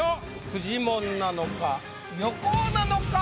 フジモンなのか？